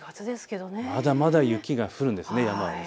まだまだ雪が降るんです、山は。